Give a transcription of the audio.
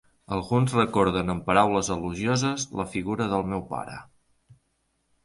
Alguns recorden amb paraules elogioses la figura del meu pare.